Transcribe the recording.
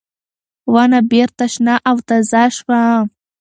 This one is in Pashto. ونه بېرته شنه او تازه شوه.